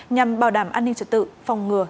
nhằm bảo đảm an ninh trật tự phòng ngừa